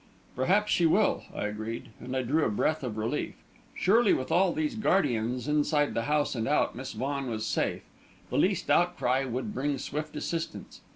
"Perhaps she will," I agreed; and I drew a breath of relief. Surely with all these guardians, inside the house and out, Miss Vaughan was safe. The least outcry would bring swift assistance.